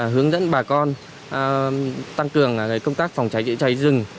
hướng dẫn bà con tăng cường công tác phòng cháy chữa cháy rừng